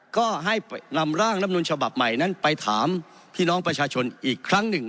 ก็ให้นำร่างรับนูลฉบับใหม่นั้นไปถามพี่น้องประชาชนอีกครั้งหนึ่ง